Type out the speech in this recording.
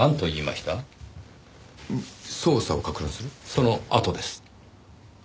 そのあとです。